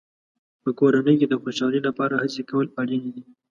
په کورنۍ کې د خوشحالۍ لپاره هڅې کول اړینې دي.